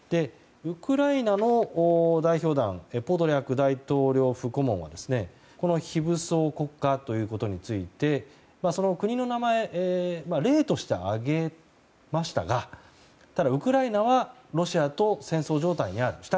ウクライナの代表団ポドリャク大統領府顧問はこの非武装国家ということについて国の名前、例として挙げましたがウクライナはロシアと戦争状態にある。